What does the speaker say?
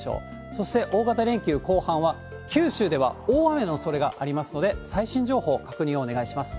そして、大型連休後半は、九州では大雨のおそれがありますので、最新情報、確認をお願いします。